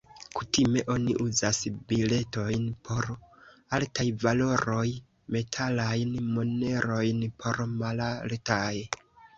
Kutime oni uzas biletojn por altaj valoroj, metalajn monerojn por malaltaj.